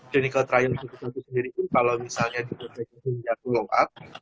klinik latar yang satu satu sendiri pun kalau misalnya di proses yang jatuh low up